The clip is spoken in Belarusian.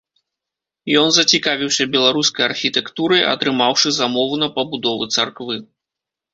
Ён зацікавіўся беларускай архітэктурай, атрымаўшы замову на пабудову царквы.